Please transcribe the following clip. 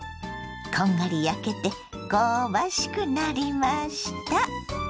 こんがり焼けて香ばしくなりました。